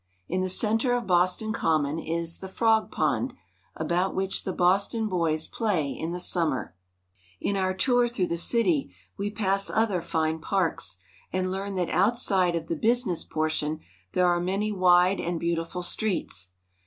In the center of Boston Common is the Frog Pond, about which the Boston boys play in the summer. Boston Common. In our tour through the city we pass other fine parks, and learn that outside of the business portion there are many wide and beautiful streets.